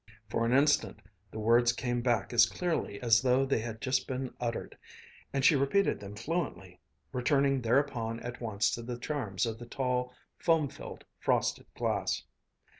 For an instant the words came back as clearly as though they had just been uttered, and she repeated them fluently, returning thereupon at once to the charms of the tall, foam filled frosted glass.